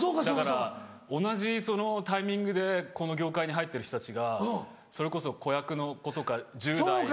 だから同じそのタイミングでこの業界に入ってる人たちがそれこそ子役の子とか１０代。